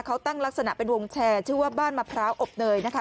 เขาตั้งลักษณะเป็นวงแชร์ชื่อว่าบ้านมะพร้าวอบเนยนะคะ